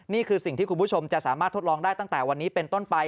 นี่คือสิ่งที่คุณผู้ชมจะสามารถทดลองได้ตั้งแต่วันนี้เป็นต้นไป